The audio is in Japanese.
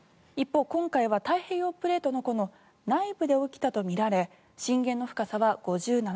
一方、今回は太平洋プレートのこの内部で起きたとみられ震源の深さは５７ｋｍ。